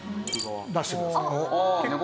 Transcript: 出してください。